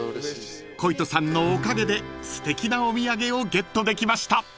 ［鯉斗さんのおかげですてきなお土産をゲットできました］